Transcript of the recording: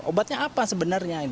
obatnya apa sebenarnya